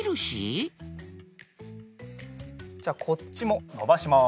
じゃあこっちものばします。